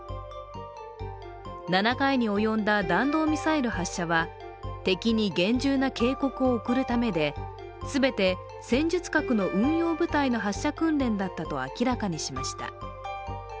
７回に及んだ弾道ミサイル発射は敵に厳重な警告を送るためで全て戦術核の運用部隊の発射訓練だったと明らかにしました。